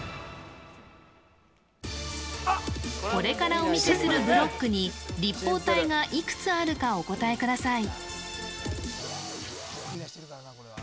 これからお見せするブロックに立方体がいくつあるかお答えください。